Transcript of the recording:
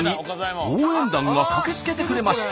応援団が駆けつけてくれました。